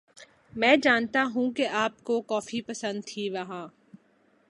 میں جانتا ہیںں کہ آپ کیں کافی پسند تھیں وہاں